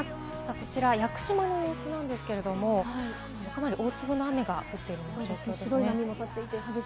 こちら屋久島の様子なんですけれども、かなり大粒の雨が降っている状況です。